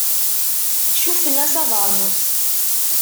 Cuffen-as abeṛnus.